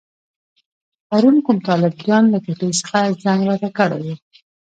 پرون کوم طالب جان له کوټې څخه زنګ راته کړی وو.